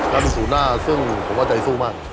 และเป็นศูนย์หน้าซึ่งผมว่าใจสู้มาก